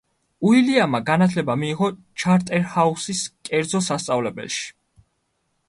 უილიამმა განათლება მიიღო ჩარტერჰაუსის კერძო სასწავლებელში.